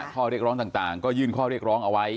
ข้อเรียกร้องต่างก็ยื่นข้อเรียกร้องเอาไว้